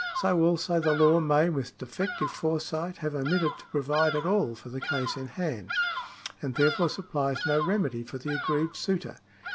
So also, the law may with defective foresight have omitted to provide at all for the case in hand, and therefore supplies no remedy for the aggrieved suitor.